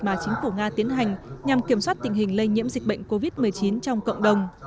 mà chính phủ nga tiến hành nhằm kiểm soát tình hình lây nhiễm dịch bệnh covid một mươi chín trong cộng đồng